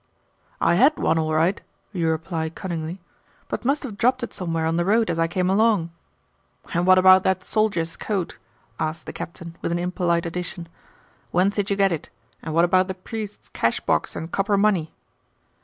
'I had one all right,' you reply cunningly, 'but must have dropped it somewhere on the road as I came along.' 'And what about that soldier's coat?' asks the Captain with an impolite addition. 'Whence did you get it? And what of the priest's cashbox and copper money?